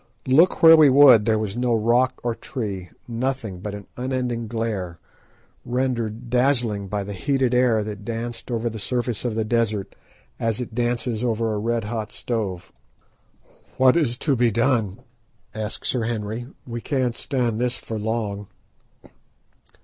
Look where we would there was no rock or tree, nothing but an unending glare, rendered dazzling by the heated air that danced over the surface of the desert as it dances over a red hot stove. "What is to be done?" asked Sir Henry; "we can't stand this for long."